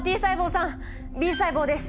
Ｂ細胞です。